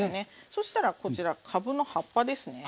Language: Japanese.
そしたらこちらかぶの葉っぱですね。